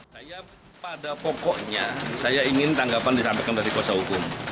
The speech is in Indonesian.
saya pada pokoknya saya ingin tanggapan disampaikan dari kuasa hukum